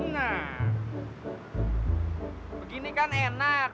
nah begini kan enak